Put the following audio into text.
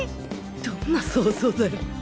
どんな想像だよ